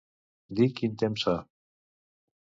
Dir quin temps fa.